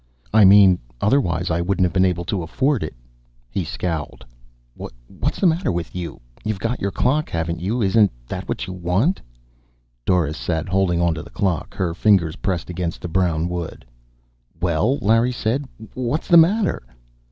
"I mean, otherwise I wouldn't have been able to afford it." He scowled. "What's the matter with you? You've got your clock, haven't you? Isn't that what you want?" Doris sat holding onto the clock, her fingers pressed against the brown wood. "Well," Larry said, "what's the matter?"